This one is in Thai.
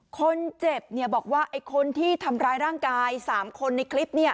คนเจ็บบอกว่าไอ้คนที่ทำร้ายร่างกาย๓คนในคลิป